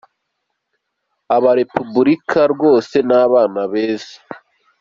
Aba Repubulika rwose ni abana beza!